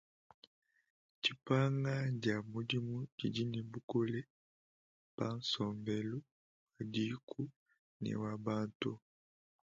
Dipanga dia mudimu didi ne bukole pa nsombelu wa dîku ne wa bantu.